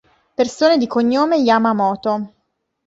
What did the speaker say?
Persone di cognome Yamamoto